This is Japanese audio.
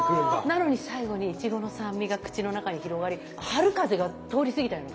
なのに最後にイチゴの酸味が口の中に広がり春風が通り過ぎたような。